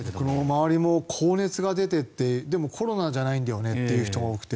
周りも高熱が出てってでもコロナじゃないんだよねという人が多くて。